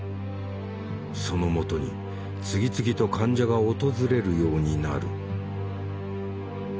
その元に次々と患者が訪れるようになる。